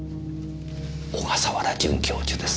小笠原准教授です。